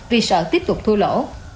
vì sợ tiếp tục thua lỗ